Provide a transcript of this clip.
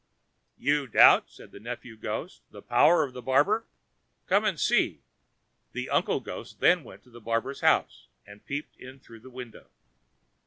"You doubt," said the nephew ghost, "the power of the barber! come and see." The uncle ghost then went to the barber's house, and peeped into it through a window.